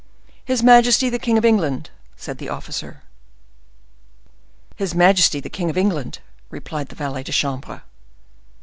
"His Majesty the King of England!" said the officer. "His Majesty the King of England!" replied the valet de chambre.